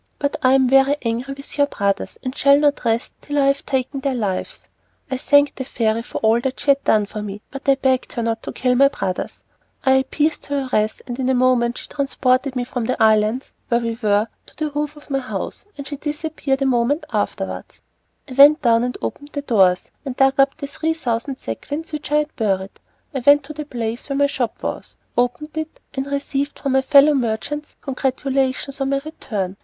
But I am very angry with your brothers, and I shall not rest till I have taken their lives." I thanked the fairy for all that she had done for me, but I begged her not to kill my brothers. I appeased her wrath, and in a moment she transported me from the island where we were to the roof of my house, and she disappeared a moment afterwards. I went down, and opened the doors, and dug up the three thousand sequins which I had buried. I went to the place where my shop was, opened it, and received from my fellow merchants congratulations on my return.